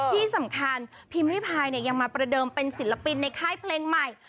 ที่สำคัญพิมพ์ริพายยังมาประเดิมเป็นศิลปินในค่ายเพลงใหม่